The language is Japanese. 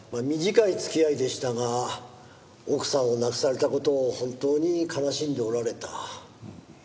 短い付き合いでしたが奥さんを亡くされた事を本当に悲しんでおられた。